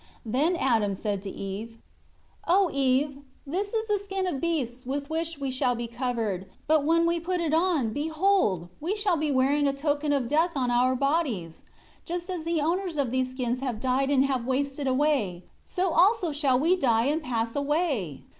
2 Then Adam said to Eve, "O Eve, this is the skin of beasts with which we shall be covered, but when we put it on, behold, we shall be wearing a token of death on our bodies. Just as the owners of these skins have died and have wasted away, so also shall we die and pass away."